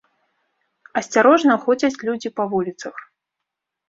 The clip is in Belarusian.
Асцярожна ходзяць людзі па вуліцах.